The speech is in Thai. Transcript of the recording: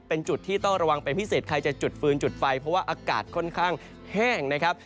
เป็นจุดที่ต้องระวังเป็นพิเศษใครจะจุดฟืนจุดไฟเพราะว่าอากาศค่อนข้างแห้งนะครับ